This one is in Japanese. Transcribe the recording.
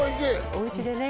おうちでね